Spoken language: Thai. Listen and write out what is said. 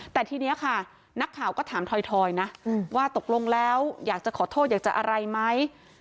แต่ทีนี้ค่ะนักข่าวก็ถามถอยนะว่าตกลงแล้วอยากจะขอโทษอยากจะอะไรไหม